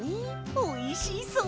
おいしそう。